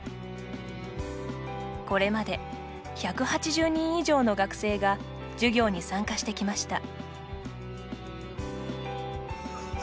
これまで１８０人以上の学生が授業に参加してきました。